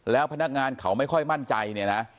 แล้วพนักงานเขาไม่ค่อยมั่นใจเนี่ยนะ